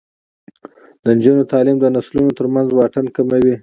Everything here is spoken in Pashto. د نجونو تعلیم د نسلونو ترمنځ واټن کموي.